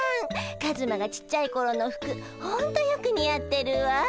カズマがちっちゃいころの服ほんとよく似合ってるわ。